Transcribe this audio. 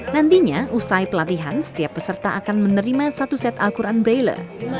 nantinya usai pelatihan setiap peserta akan menerima satu set al quran braille